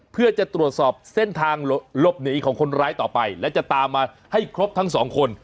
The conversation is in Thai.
เพื่อจะตรวจสอบเส้นทางหลบหนีของคนร้ายต่อไปและจะตามมาให้ครบทั้งสองคน